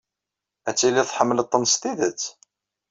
Ad tilid tḥemmled-ten s tidet.